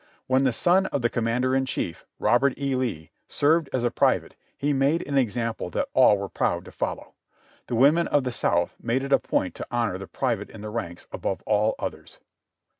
When the son of the Commander in Chief, Robert E. Lee, served as a private he made an example that all were proud to follow. The women of the South made it a point to honor the private in the ranks above all others.